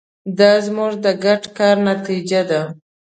دا زموږ د ګډ کار نتیجه ده.